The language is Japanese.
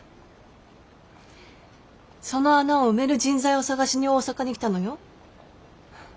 その穴を埋める人材を探しに大阪に来たのよ。